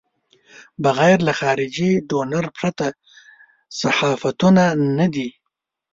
بغیر له خارجي ډونر پرته صحافتونه نه دي.